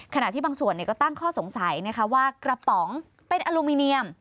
ขณะที่บางส่วนก็ตั้งข้อสงสัยนะคะว่ากระป๋องเป็นอลูมิเนียม